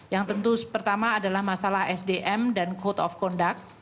yang tentu pertama adalah masalah sdm dan code of conduct